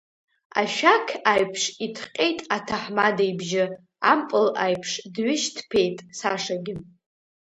Ашәақь аиԥш иҭҟьеит аҭаҳмада ибжьы, ампыл аиԥш дҩышьҭԥеит Сашагьы.